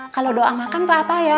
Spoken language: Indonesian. kalau doa makan tuh apa ya